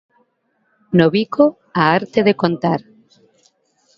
No bico, a arte de contar.